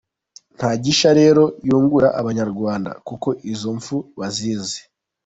Nta gishya rero yungura abanyarwanda, kuko izo mpfu bazizi.